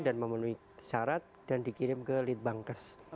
dan memenuhi syarat dan dikirim ke litbangkes